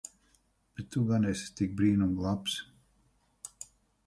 Bet tu gan esi tik brīnum labs.